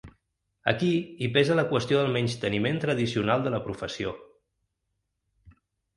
Aquí, hi pesa la qüestió del menysteniment tradicional de la professió.